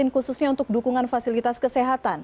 khususnya untuk dukungan fasilitas kesehatan